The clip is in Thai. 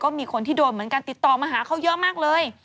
มีคนที่โดนเหมือนกันติดต่อมาหาเขาเยอะมากเลย